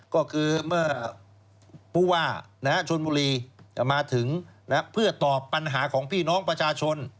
ก็คือเมื่อผู้ว่าชนบุรีมาถึงเพื่อตอบปัญหาของพี่น้องประชาชน